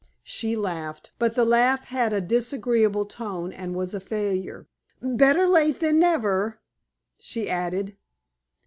She laughed, but the laugh had a disagreeable tone, and was a failure. "'Better late than never,'" she added.